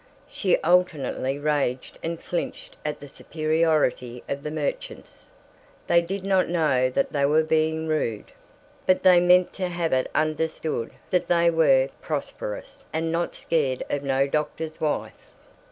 She alternately raged and flinched at the superiority of the merchants. They did not know that they were being rude, but they meant to have it understood that they were prosperous and "not scared of no doctor's wife."